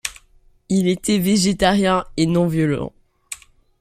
Il était végétarien et non violent.